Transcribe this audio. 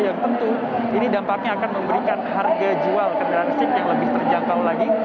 yang tentu ini dampaknya akan memberikan harga jual kendaraan listrik yang lebih terjangkau lagi